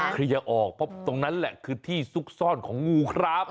เคลียร์ออกเพราะตรงนั้นแหละคือที่ซุกซ่อนของงูครับ